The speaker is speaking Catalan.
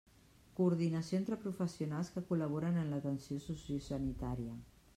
Coordinació entre professionals que col·laboren en l'atenció sociosanitària.